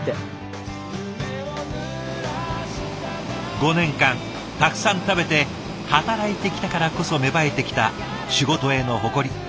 ５年間たくさん食べて働いてきたからこそ芽生えてきた仕事への誇り。